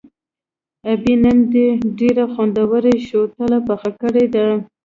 ابۍ نن دې ډېره خوندوره شوتله پخه کړې ده.